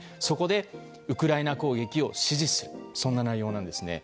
そこでウクライナ攻撃を支持するとそんな内容です。